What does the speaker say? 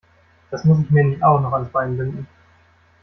Das muss ich mir nicht auch noch ans Bein binden.